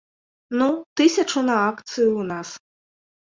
Ну, тысячу на акцыю ў нас.